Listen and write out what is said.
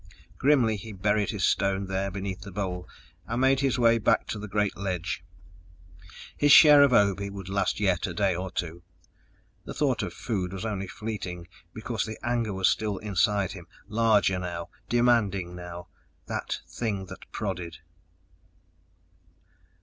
Grimly, he buried his stone there beneath the bole and made his way back to the great ledge. His share of Obe would last yet a day or two. The thought of food was only fleeting, because the anger was still inside him, larger now, demanding now ... that thing that prodded.